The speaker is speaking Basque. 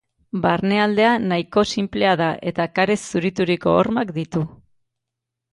Barnealdea nahiko sinplea da eta karez zurituriko hormak ditu.